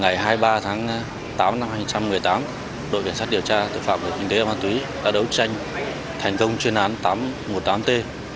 ngày hai mươi ba tháng tám năm hai nghìn một mươi tám đội kiểm soát điều tra tội phạm về kinh tế ma túy đã đấu tranh thành công chuyên án tám trăm một mươi tám t